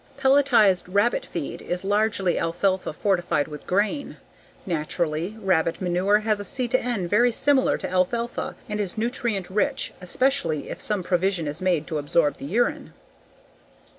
Pelletized rabbit feed is largely alfalfa fortified with grain. Naturally, rabbit manure has a C/N very similar to alfalfa and is nutrient rich, especially if some provision is made to absorb the urine.